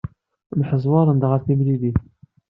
Mḥezwaren-d ɣer temlilit.